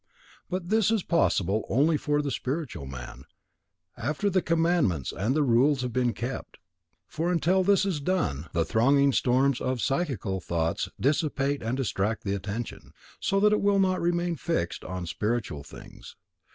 But this is possible only for the spiritual man, after the Commandments and the Rules have been kept; for until this is done, the thronging storms of psychical thoughts dissipate and distract the attention, so that it will not remain fixed on spiritual things.